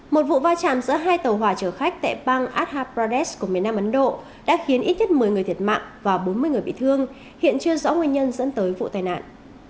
một vụ va chạm giữa hai tàu hòa chở khách tại bang adha pradesh của miền nam ấn độ đã khiến ít nhất một mươi người thiệt mạng và bốn mươi người bị thương hiện chưa rõ nguyên nhân dẫn tới vụ tai nạn